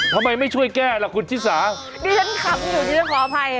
ทำไมไม่ช่วยแก้ล่ะคุณชิศาดีชั้นขับอยู่ดิว่าขออภัย